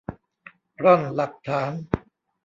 ร่อนหลักฐาน